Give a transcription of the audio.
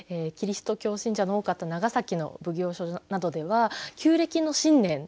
キリスト教信者の多かった長崎の奉行所などでは旧暦の新年